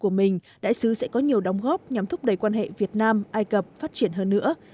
của mình đại sứ sẽ có nhiều đóng góp nhằm thúc đẩy quan hệ việt nam ai cập phát triển hơn nữa